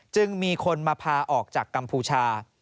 จึงมีคนมาพาออกจากกัมพูชา